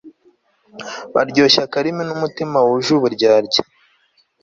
baryoshya akarimi n'umutima wuje uburyarya